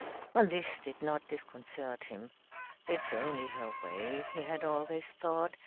But this did not disconcert him. "It's only her way," he had always thought.